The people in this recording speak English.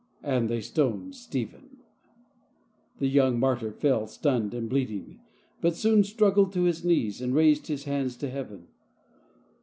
" And they stoned Stephen." The young martyr fell stunned and bleed ing, but soon struggled to his knees, and raised his hands to Heaven.